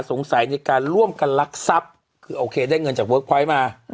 สงสัยในการร่วมกันรักทรัพย์คือโอเคได้เงินจากมาอืม